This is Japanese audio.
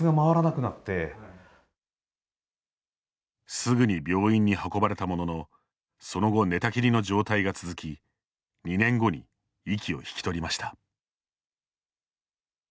すぐに病院に運ばれたもののその後、寝たきりの状態が続き２年後に息を引き取りました。